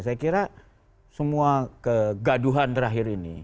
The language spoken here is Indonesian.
saya kira semua kegaduhan terakhir ini